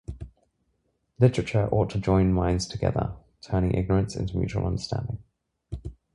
Literature ought to join minds together... turning ignorance into mutual understanding.